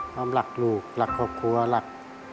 ความหลักลูกหลักครอบครัวหลัก